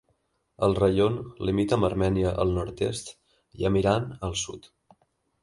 El raion limita amb Armènia al nord-est i amb Iran al sud.